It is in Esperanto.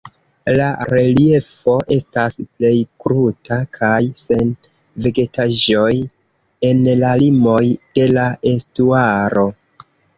La reliefo estas plej kruta kaj sen vegetaĵoj en la limoj de la estuaro.